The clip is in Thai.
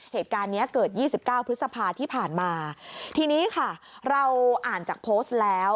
เหตุการณ์เนี้ยเกิดยี่สิบเก้าพฤษภาที่ผ่านมาทีนี้ค่ะเราอ่านจากโพสต์แล้ว